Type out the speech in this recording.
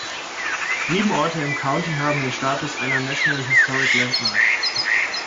Sieben Orte im County haben den Status einer National Historic Landmark.